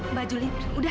mbak julie udah